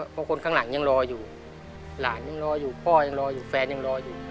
เพราะคนข้างหลังยังรออยู่หลานยังรออยู่พ่อยังรออยู่แฟนยังรออยู่